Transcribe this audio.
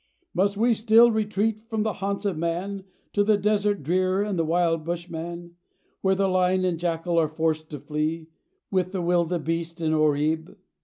"Must we still retreat from the haunts of man To the desert drear and the wild Bushman, Where the lion and jackal are forced to flee, With the wildebeeste and oribe?